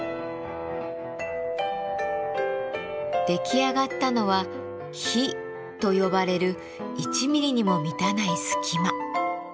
出来上がったのは樋と呼ばれる１ミリにも満たない隙間。